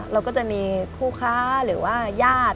เราก็จะมีคู่ค้าหรือว่าญาติ